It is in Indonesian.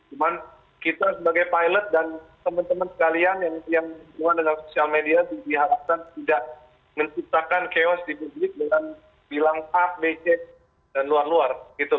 cuman kita sebagai pilot dan teman teman sekalian yang berhubungan dengan sosial media diharapkan tidak menciptakan chaos di publik dengan bilang a b c dan luar luar